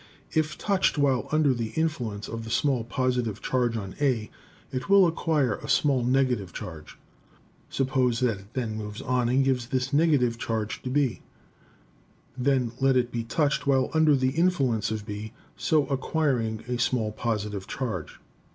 If touched while under the influence of the small positive charge on A it will acquire a small negative charge; suppose that it then moves on and gives this negative charge to B. Then let it be touched while under the influence of B, so acquiring a small positive charge.